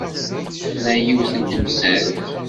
Tefra yiwet n temsalt.